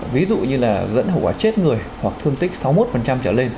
ví dụ như là dẫn hậu quả chết người hoặc thương tích sáu mươi một trở lên